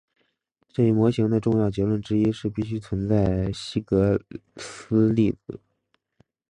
这一模型的重要结论之一是必须存在希格斯粒子。